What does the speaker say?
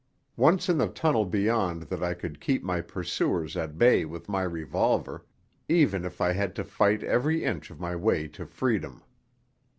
Once in the tunnel beyond that I could keep my pursuers at bay with my revolver, even if I had to fight every inch of my way to freedom.